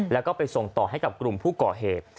แล้วก็ไปส่งต่อให้กับกลุ่มผู้ก่อเหตุ